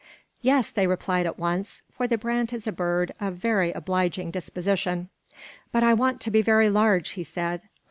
"Yes," they replied at once, for the brant is a bird of a very obliging disposition. "But I want to be very large," he said.